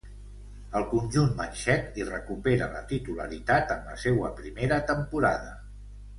Al conjunt manxec hi recupera la titularitat en la seua primera temporada.